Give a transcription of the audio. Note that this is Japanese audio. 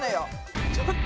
ちょっと！